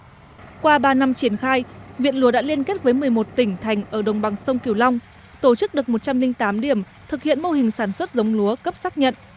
trong ba năm triển khai viện lúa đã liên kết với một mươi một tỉnh thành ở đồng bằng sông kiều long tổ chức được một trăm linh tám điểm thực hiện mô hình sản xuất giống lúa cấp xác nhận